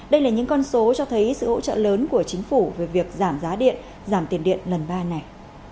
đây là những con số cho thấy sự hỗ trợ lớn của chính phủ về việc giảm giá điện giảm tiền điện lần ba này